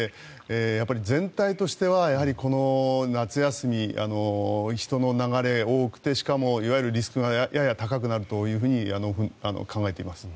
やっぱり全体としてはこの夏休み、人の流れが多くてしかも、いわゆるリスクがやや高くなると考えています。